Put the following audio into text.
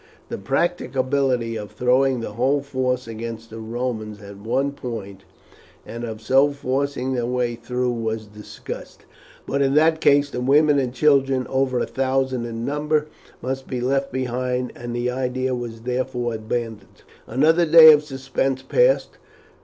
The practicability of throwing the whole force against the Romans at one point, and of so forcing their way through was discussed; but in that case the women and children, over a thousand in number, must be left behind, and the idea was therefore abandoned. Another day of suspense passed.